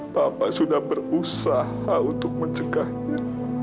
bapak sudah berusaha untuk mencegahnya